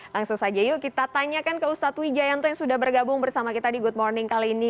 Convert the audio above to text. langsung saja yuk kita tanyakan ke ustadz wijayanto yang sudah bergabung bersama kita di good morning kali ini